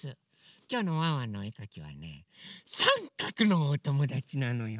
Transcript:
きょうのワンワンのおえかきはねさんかくのおともだちなのよ。